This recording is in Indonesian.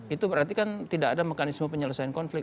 itu berarti kan tidak ada mekanisme penyelesaian konflik